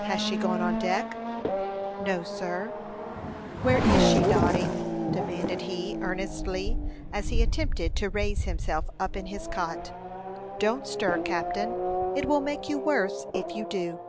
"Has she gone on deck?" "No, sir." "Where is she, Noddy?" demanded he, earnestly, as he attempted to raise himself up in his cot. "Don't stir, captain; it will make you worse, if you do."